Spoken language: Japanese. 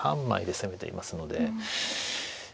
３枚で攻めていますので。